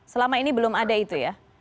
selama ini belum ada itu ya